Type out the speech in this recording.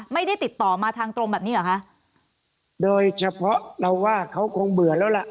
ไม่ได้ติดต่อมาทางตรงแบบนี้เหรอคะโดยเฉพาะเราว่าเขาคงเบื่อแล้วล่ะ